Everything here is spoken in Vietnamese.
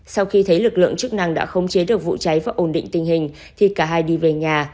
sau khi thấy lực lượng chức năng đã khống chế được vụ cháy và ổn định tình hình thì cả hai đi về nhà